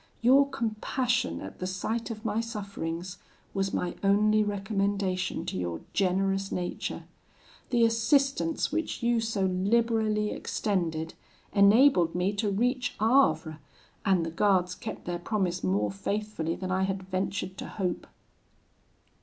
Your compassion at the sight of my sufferings was my only recommendation to your generous nature. The assistance which you so liberally extended, enabled me to reach Havre, and the guards kept their promise more faithfully than I had ventured to hope.